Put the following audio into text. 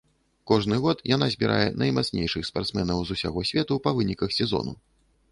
Кожны год яна збірае наймацнейшых спартсменаў з усяго свету па выніках сезону.